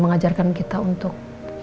mengajarkan kita untuk